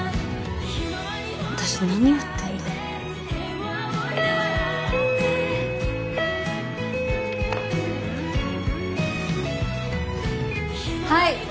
私何やってんだろはい